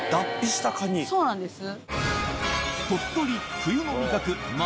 そうなんです。